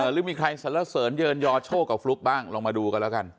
หรือมีใครสรรเสริญเยินยอโชคกับฟลุ๊กบ้างลองมาดูกันแล้วกัน